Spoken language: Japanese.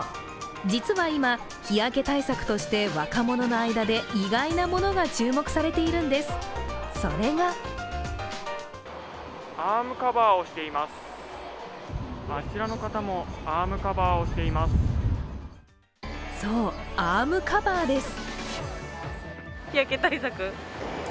実は今、日焼け対策として若者の間で意外なものが注目されているんです、それがそう、アームカバーです。